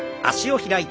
開いて。